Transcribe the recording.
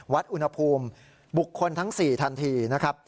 วัดอุณหภูมิบุคคลทั้ง๔ทันทีนะครับ